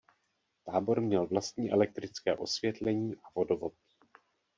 Tábor měl vlastní elektrické osvětlení a vodovod.